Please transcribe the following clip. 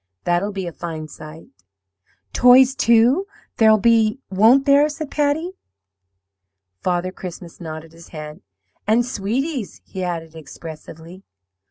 That'll be a fine sight!' "'Toys, too, there'll be, won't there?' said Patty. "Father Christmas nodded his head. 'And sweeties,' he added, expressively.